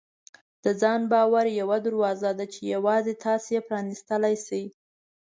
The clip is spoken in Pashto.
د ځان باور یوه دروازه ده چې یوازې تاسو یې پرانیستلی شئ.